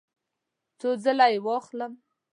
څو ځله یی واخلم؟